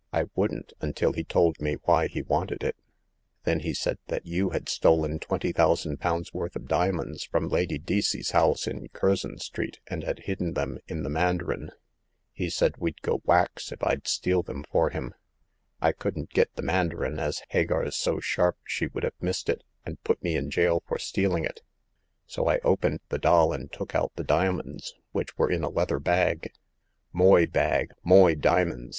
I wouldn't, until he told me why he wanted it. Then he said that you had stolen twenty thou sand pounds' worth of diamonds from Lady Deacey's house in Curzon Street, and had hid den them in the mandarin. He said we'd go whacks if Fd steal them for him. I couldn't get the mandarin, as Hagar*s so sharp she would have missed it, and put me in jail for stealing it ; so I opened the doll, and took out the diamonds which were in a leather bag." .Moy bag, moy dimins